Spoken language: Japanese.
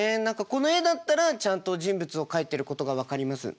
この絵だったらちゃんと人物を描いてることが分かります。